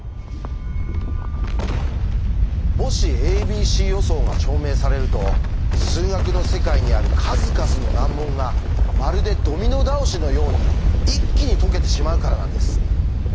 もし「ａｂｃ予想」が証明されると数学の世界にある数々の難問がまるでドミノ倒しのように一気に解けてしまうからなんです。